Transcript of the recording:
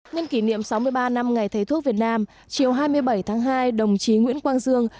nhân kỷ niệm sáu mươi ba năm ngày thầy thuốc việt nam chiều hai mươi bảy tháng hai đồng chí nguyễn quang dương